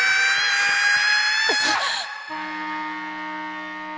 あっ！